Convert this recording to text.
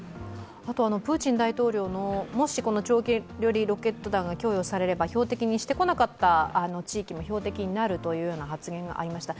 プーチン大統領の、もし長距離ロケット弾が供与されれば標的にしてこなかった地域も標的になるというような発言がありました。